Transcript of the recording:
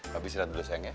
tapi silahkan dulu sayang ya